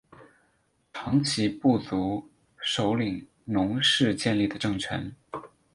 长其部族首领侬氏建立的政权。